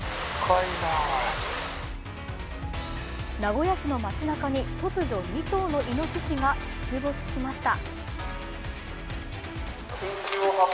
名古屋市の街なかに突如２頭のいのししが出没しました。